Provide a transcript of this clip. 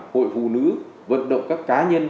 hội phụ nữ vận động các cá nhân